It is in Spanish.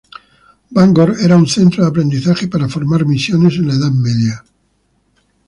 Bangor era un centro de aprendizaje para formar misiones en la Edad Media.